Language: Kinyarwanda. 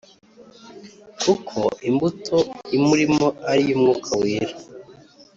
kuko imbuto imurimo ari iy’Umwuka Wera.